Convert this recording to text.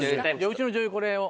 うちの女優これを。